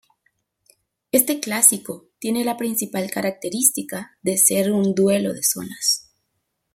Este clásico tiene la principal característica de ser un duelo de zonas.